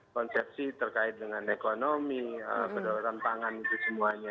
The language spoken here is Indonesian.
konsepsi terkait dengan ekonomi kedaulatan pangan itu semuanya